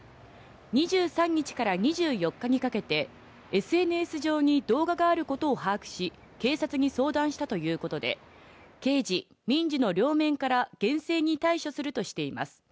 ２３日から２４日にかけて、ＳＮＳ上に動画があることを把握し、警察に相談したということで、刑事、民事の両面から、厳正に対処するとしています。